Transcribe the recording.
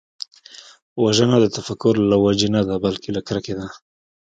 وژنه د تفکر له وجې نه ده، بلکې له کرکې ده